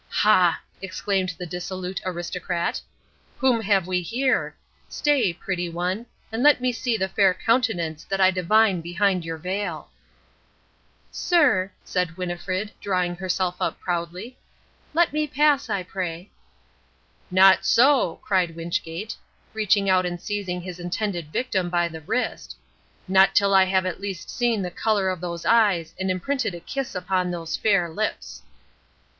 "Ha!" exclaimed the dissolute Aristocrat, "whom have we here? Stay, pretty one, and let me see the fair countenance that I divine behind your veil." "Sir," said Winnifred, drawing herself up proudly, "let me pass, I pray." "Not so," cried Wynchgate, reaching out and seizing his intended victim by the wrist, "not till I have at least seen the colour of those eyes and imprinted a kiss upon those fair lips."